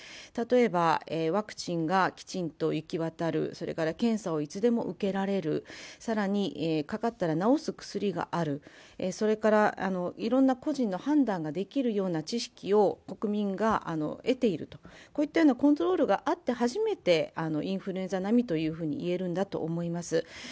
例えばワクチンがきちんと行き渡る、検査をいつでも受けられる、更に、かかったら治す薬がある、いろんな個人の判断ができるような知識を国民が得ている、こういったようなコントロールがあって初めて、インフルエンザ並みと言えるんだと思います。